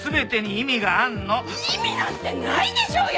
意味なんてないでしょうよ！